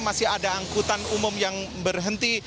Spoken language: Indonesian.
masih ada angkutan umum yang berhenti